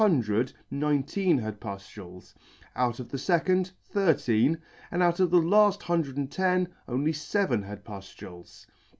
hundred, nineteen had puftules ; out of the fecond, thirteen ; and out of the laft hundred and ten, only, feven had puftules.